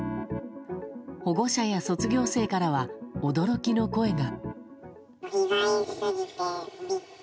保護者や卒業生からは驚きの声が。